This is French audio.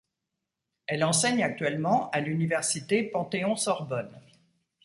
Elle enseigne actuellement à l'université Panthéon-Sorbonne.